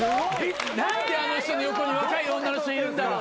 「何であの人の横に若い女の人いるんだろう」